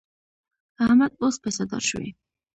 احمد اوس پیسهدار شوی.